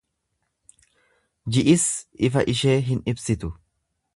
Ji’is ifa ishee hin ibsitu.